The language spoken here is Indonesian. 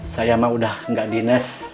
saya emang udah gak dinas